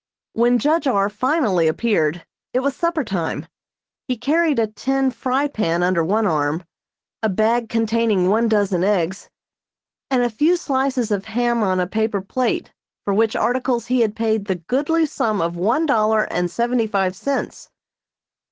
When Judge R. finally appeared, it was supper time. He carried a tin fry pan under one arm, a bag containing one dozen eggs, and a few slices of ham on a paper plate, for which articles he had paid the goodly sum of one dollar and seventy five cents.